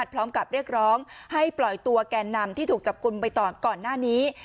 พร้อมกับเรียกร้องให้ปล่อยตัวแกนนำที่ถูกจับกลุ่มไปก่อนหน้านี้